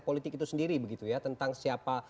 politik itu sendiri begitu ya tentang siapa